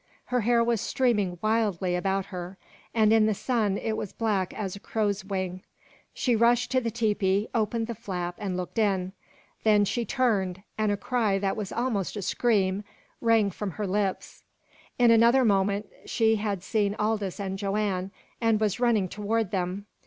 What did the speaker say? Her hair was streaming wildly about her, and in the sun it was black as a crow's wing. She rushed to the tepee, opened the flap, and looked in. Then she turned, and a cry that was almost a scream rang from her lips. In another moment she had seen Aldous and Joanne, and was running toward them.